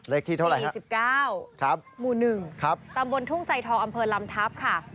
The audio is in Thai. เลขที่เท่าไหร่๔๙หมู่๑ตำบลทุ่งไซทองอำเภอลำทัพค่ะ